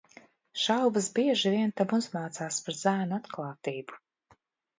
Šaubas bieži vien tam uzmācās par zēnu atklātību.